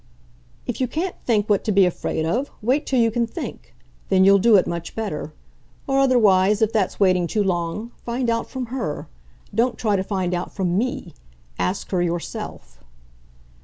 "If you can't think what to be afraid of, wait till you can think. Then you'll do it much better. Or otherwise, if that's waiting too long, find out from HER. Don't try to find out from ME. Ask her herself."